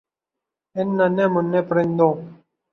ان ننھے مننھے پرندوں